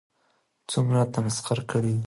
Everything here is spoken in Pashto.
څومره تمسخر كړى وي